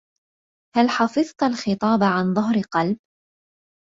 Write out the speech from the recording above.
هل حفظت الخطاب عن ظهر قبل؟